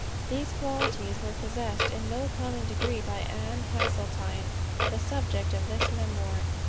These qualities were possessed in no common degree by Ann Hasseltine, the subject of this memoir.